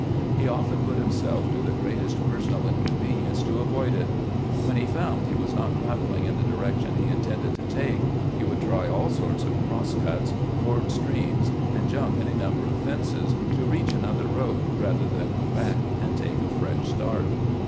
He often put him self to the greatest personal inconvenience to avoid it. When he found he was not traveling in the direction he intended to take, he would try aU sorts of cross cuts, ford streams, and jump any number of fences to reach another road rather than go back and take a fresh start.